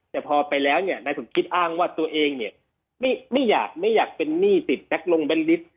แต่พอไปแล้วนายสมคิตอ้างว่าตัวเองไม่อยากเป็นหนี้สิทธิ์แท็กลงเบนฤทธิ์